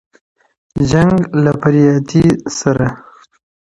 جـنــگ له فريادي ســــره ـ